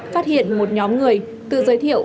phát hiện một nhóm người tự giới thiệu